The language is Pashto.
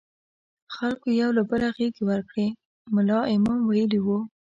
خلکو یو له بله غېږې ورکړې، ملا امام ویلي وو.